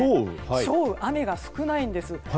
少雨、雨が少ないんです。